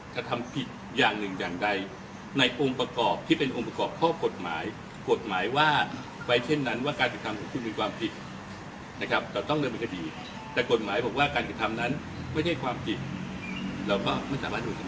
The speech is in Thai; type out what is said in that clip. คำนั้นไม่ใช่ความจิตเราก็ไม่สามารถดูสัมพิจารณ์